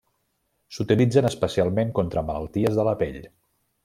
S'utilitzen especialment contra malalties de la pell.